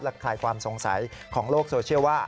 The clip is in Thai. คลายความสงสัยของโลกโซเชียลว่า